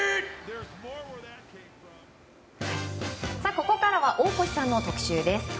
ここからは大越さんの特集です。